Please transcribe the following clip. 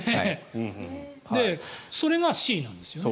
それがＣなんですよね。